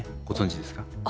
ご存じですか？